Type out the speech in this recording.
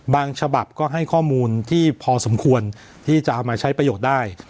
ฉบับก็ให้ข้อมูลที่พอสมควรที่จะเอามาใช้ประโยชน์ได้